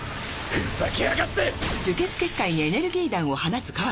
ふざけやがって！